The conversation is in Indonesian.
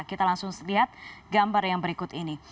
kita langsung lihat gambar yang berikut ini